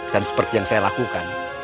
dan seperti yang saya lakukan